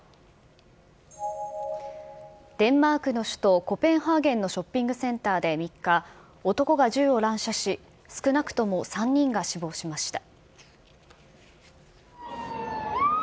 デンマークの首都コペンハーゲンのショッピングセンターで３日、男が銃を乱射し、少なくとも３人が死亡しました。